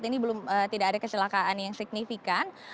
jadi belum tidak ada kecelakaan yang signifikan